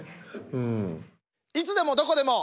「いつでもどこでも」。